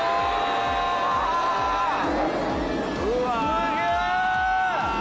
すげえ！